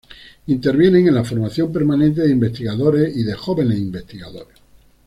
Interviene en la formación permanente de investigadores y de jóvenes investigadores.